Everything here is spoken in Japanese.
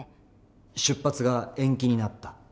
出発が延期になった？